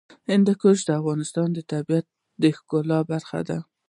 هندوکش د افغانستان د طبیعت د ښکلا برخه ده.